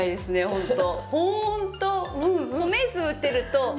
ホント。